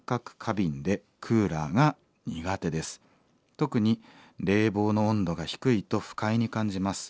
特に冷房の温度が低いと不快に感じます。